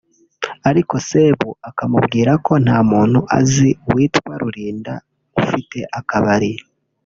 ariko Sebu akamubwira ko nta muntu azi witwa Rulinda ufite akabari